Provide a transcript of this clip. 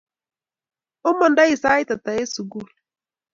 Omondoi sait ata eng' sukul?